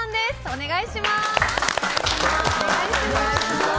お願いします。